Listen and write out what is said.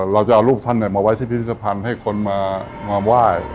เราจะเอารูปท่านมาไว้ที่พิพิธภัณฑ์ให้คนมาไหว้